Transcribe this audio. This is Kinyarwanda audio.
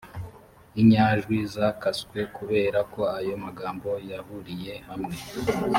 inyajwi zakaswe kubera ko ayo magambo yahuriye hamwe